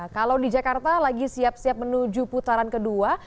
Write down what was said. kalau di jakarta lagi siap siap menuju putaran kedua